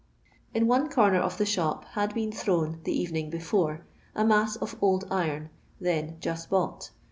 In ont eomer of the shop had been thrown, the evening before, a mass of old iron, then just bought.